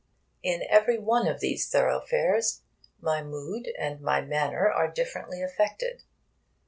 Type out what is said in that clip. In every one of these thoroughfares my mood and my manner are differently affected.